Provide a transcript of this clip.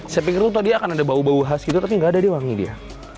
saya pikir tuh tadi akan ada bau bau khas gitu tapi nggak ada dia wangi dia